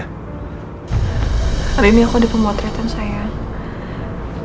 hari ini aku ada pemotretan sayang